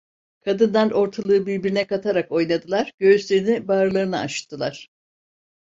Kadınlar ortalığı birbirine katarak oynadılar, göğüslerini bağırlarını açtılar.